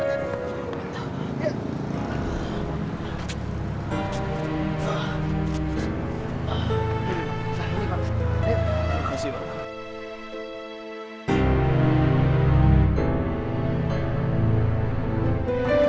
terima kasih pak